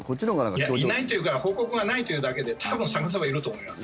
いや、いないというか報告がないというだけで多分、探せばいると思います。